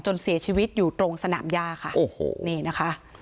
เสียชีวิตอยู่ตรงสนามย่าค่ะโอ้โหนี่นะคะ